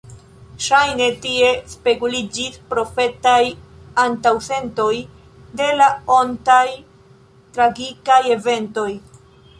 Ŝajne, tie speguliĝis profetaj antaŭsentoj de la ontaj tragikaj eventoj.